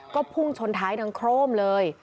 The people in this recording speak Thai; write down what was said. ก็พุ่งชนท้ายดังโครมเลย